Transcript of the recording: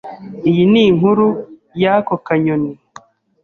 Iyi ni inkuru y’ako kanyoni,